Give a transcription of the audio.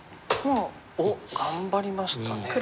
おっ頑張りましたね。